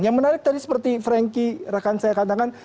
yang menarik tadi seperti frankie rekan saya katakan